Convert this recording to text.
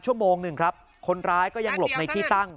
ชั่วโมงหนึ่งครับคนร้ายก็ยังหลบในที่ตั้ง